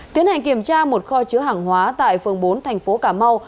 tiến hành kiểm tra một kho chứa hàng hóa tại phường bốn tp ca mau